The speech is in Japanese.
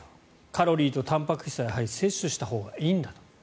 カロリーとたんぱく質は摂取したほうがいいんだと。